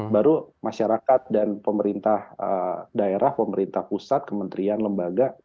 baru masyarakat dan pemerintah daerah pemerintah pusat kementerian lembaga